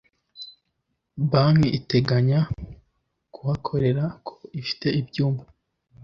banki iteganya kuhakorera ko ifite ibyumba